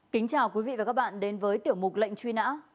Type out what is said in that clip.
kính chào quý vị và các bạn đến với tiểu mục lệnh truy nã